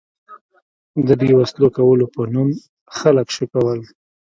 د بې وسلو کولو په نوم خلک شکول.